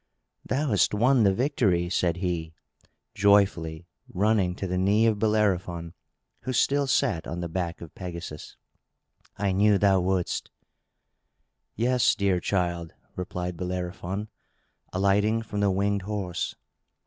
"Thou hast won the victory," said he, joyfully, running to the knee of Bellerophon, who still sat on the back of Pegasus. "I knew thou wouldst." "Yes, dear child!" replied Bellerophon, alighting from the winged horse.